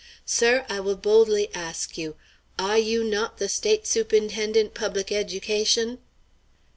Sir, I will boldly ask you ah you not the State Sup'inten'ent Public Education?"